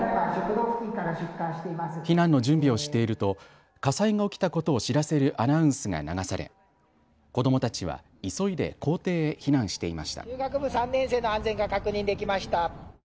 避難の準備をしていると火災が起きたことを知らせるアナウンスが流され子どもたちは急いで校庭へ避難していました。